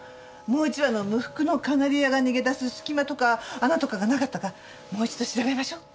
もう一羽の無覆のカナリアが逃げ出す隙間とか穴とかがなかったかもう一度調べましょう。